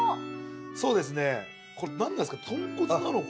そうですねこれ何ですか？